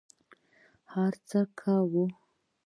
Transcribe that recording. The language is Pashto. هر څه کوه.